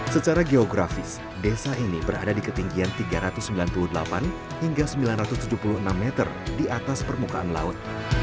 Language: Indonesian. secara geografis desa ini berada di ketinggian tiga ratus sembilan puluh delapan hingga sembilan ratus tujuh puluh enam meter di atas permukaan laut